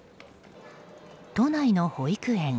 都内の保育園。